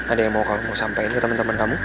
ada yang mau kamu sampaikan ke temen temen kamu